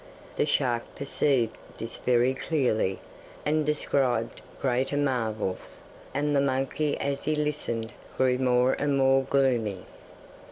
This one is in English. The shark perceived this very clearly, and described greater marvels, and the monkey as he listened grew more and more gloomy.